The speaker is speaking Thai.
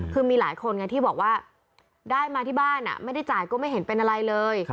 คือมีหลายคนไงที่บอกว่าได้มาที่บ้านไม่ได้จ่ายก็ไม่เห็นเป็นอะไรเลย